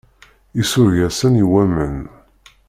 Isureg-asen i waman.